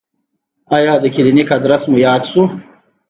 ایا د کلینیک ادرس مو یاد شو؟